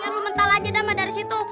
lu mental aja deh ama dari situ